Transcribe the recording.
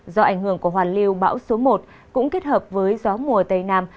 do ảnh hưởng của hoàn lưu bão số một cũng kết hợp với gió mùa tây nam